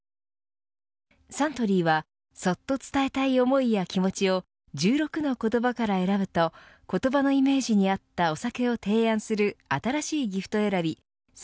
サントリーはそっと伝えたい思いや気持ちを１６の言葉から選ぶと言葉のイメージに合ったお酒を提案する新しいギフト選び酒